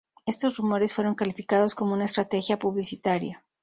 Estos rumores fueron calificados como "una estrategia publicitaria".